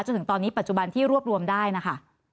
จนถึงตอนนี้ปัจจุบันที่รวบรวมได้นะคะ